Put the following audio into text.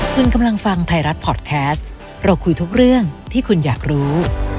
คุณกำลังฟังไทยรัฐพอร์ตแคสต์เราคุยทุกเรื่องที่คุณอยากรู้